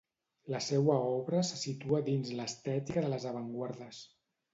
La seua obra se situa dins l'estètica de les avantguardes.